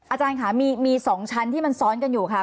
อาจารย์ค่ะมี๒ชั้นที่มันซ้อนกันอยู่ค่ะ